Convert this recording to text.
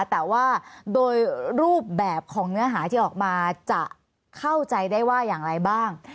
แต่ว่าโดยรูปแบบของเนื้อหาที่ออกมาจะเข้าใจได้ว่าอย่างไรบ้าง